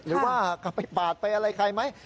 หรือว่ากลับไปปากไปอะไร